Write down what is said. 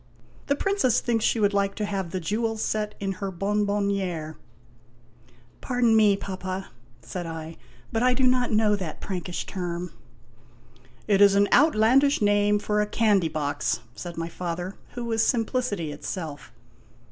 The Princess thinks she would like to have the jewels set in her bonbonniere" "Pardon me, Papa," said I, "but I do not know that Prankish term." " It is an outlandish name for a candy box," said my father, who was simplicity itself.